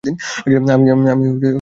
আমি সব বুকিং করেছি।